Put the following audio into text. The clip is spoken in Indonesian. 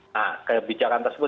nah kebijakan tersebut